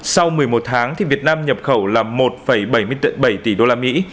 sau một mươi một tháng thì việt nam nhập khẩu là một bảy mươi bảy tỷ đô la mỹ